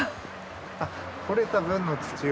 あっ掘れた分の土を。